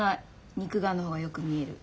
肉眼のほうがよく見える。